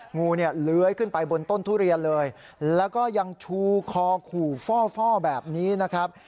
งูเนี่ยเลื้อยขึ้นไปบนต้นทุเรียนเลยแล้วก็ยังชูคอขู่ฟ่อแบบนี้นะครับ